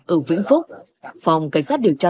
ở vĩnh phước phòng cảnh sát điều tra